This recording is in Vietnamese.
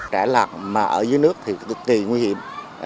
trẻ lạc mà ở dưới nước thì cực kỳ nguy hiểm